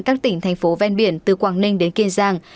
các tỉnh thành phố ven biển từ quảng ninh đến kiên giang